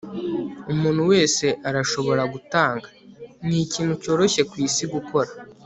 umuntu wese arashobora gutanga; nikintu cyoroshye kwisi gukora